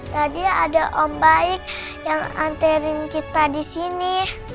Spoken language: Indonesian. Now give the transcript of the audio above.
tadi ada om baik yang anterin kita disini